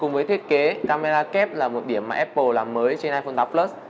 với thiết kế camera kép là một điểm mà apple làm mới trên iphone tám plus